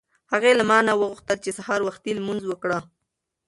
هغې له ما نه وغوښتل چې سهار وختي لمونځ وکړه.